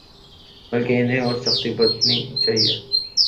بلکہ انہیں اور سختی برتنی چاہیے۔